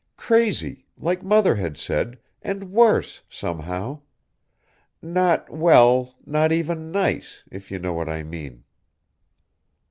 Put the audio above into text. Crazy, like Mother had said, and worse, somehow. Not well, not even nice, if you know what I mean."